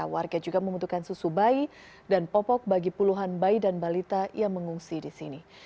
warga juga membutuhkan susu bayi dan popok bagi puluhan bayi dan balita yang mengungsi di sini